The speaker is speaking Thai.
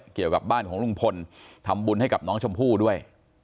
เกี่ยวกับบ้านของลุงพลทำบุญให้กับน้องชมพู่ด้วย